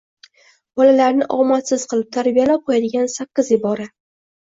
Bolalarni omadsiz qilib tarbiyalab qo'yadigan sakkiz ibora.